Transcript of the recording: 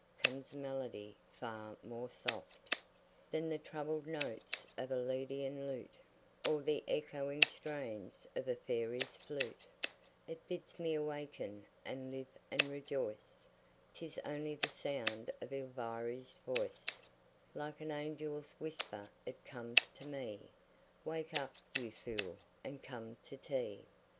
comes a melody far more soft Than the troubled notes of a lydian lute Or the echoing strains of a fairy's flute; It bids me awaken and live and rejoice, 'Tis only the sound of Elviry's voice Like an angel's whisper it comes to me: "Wake up, you fool, and come to tea."